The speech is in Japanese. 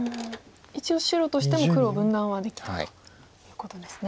一応白としても黒を分断はできたということですね。